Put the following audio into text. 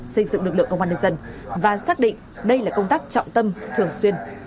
xây dựng lực lượng công an nhân dân và xác định đây là công tác trọng tâm thường xuyên